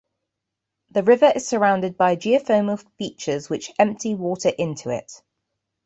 The river is surrounded by geothermal features which empty water into it.